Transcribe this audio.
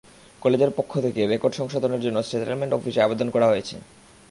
কলেজের পক্ষ থেকে রেকর্ড সংশোধনের জন্য সেটেলমেন্ট অফিসে আবেদন করা হয়েছে।